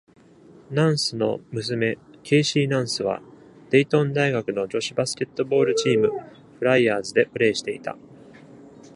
ナンスの娘ケイシーナンスはデイトン大学の女子バスケットボールチーム「フライヤーズ」でプレイしていた。